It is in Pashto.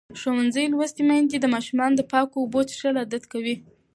ښوونځې لوستې میندې د ماشومانو د پاکو اوبو څښل عادت کوي.